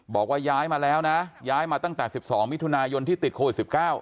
บอกว่าย้ายมาแล้วนะย้ายมาตั้งแต่๑๒มิถุนายนที่ติดโควิด๑๙